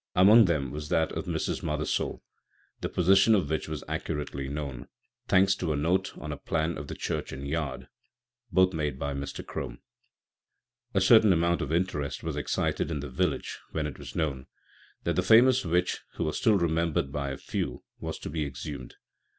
Among them was that of Mrs. Mothersole, the position of which was accurately known, thanks to a note on a plan of the church and yard, both made by Mr. Crome. A certain amount of interest was excited in the village when it was known that the famous witch, who was still remembered by a few, was to be exhumed.